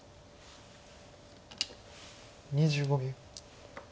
２５秒。